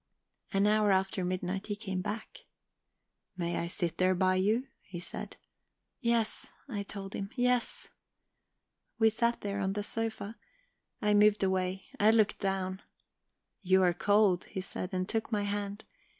"An hour after midnight he came back." "'May I sit there by you?' he said. "'Yes,' I told him. 'Yes.' "We sat there on the sofa; I moved away. I looked down. "'You are cold,' he said, and took my hand.